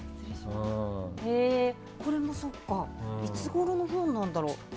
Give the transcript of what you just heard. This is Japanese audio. これもそっかいつごろの本なんだろう。